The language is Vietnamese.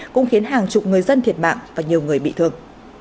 cũng khiến hàng chục người dân thiệt mạng và nhiều người bị thương